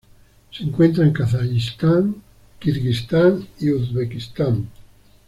Se encuentra en Kazajistán, Kirguistán y Uzbekistán.